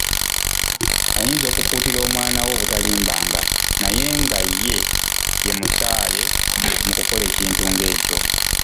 Ayinza okukuutira omwana we obutalimbanga, naye nga ye ye musaale mu kukola ekintu ng'ekyo.